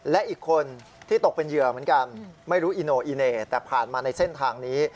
และอีกคนที่ตกเป็นเหยื่อเหมือนกันไม่รู้อิโนอิเน่แต่ผ่านมาในเส้นทางนี้